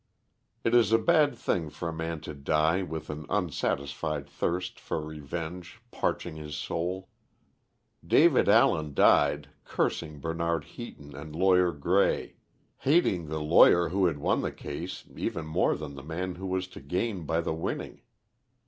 It is a bad thing for a man to die with an unsatisfied thirst for revenge parching his soul. David Allen died, cursing Bernard Heaton and lawyer Grey; hating the lawyer who had won the case even more than the man who was to gain by the winning.